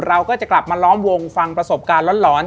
เราก็จะกลับมาล้อมวงฟังประสบการณ์หลอน